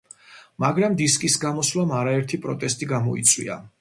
მაგრამ დისკის გამოსვლამ არაერთი პროტესტი გამოიწვია.